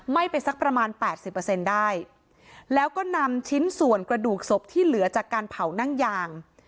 ไหม้ไปสักประมาณ๘๐ได้แล้วก็นำชิ้นส่วนกระดูกศพที่เหลือจากการเผานั่งยาง